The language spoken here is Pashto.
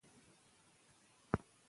که نجونې جامې وینځي نو کالي به نه وي چټل.